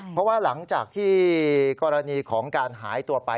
เพราะว่าหลังจากที่กรณีของการหายตัวไป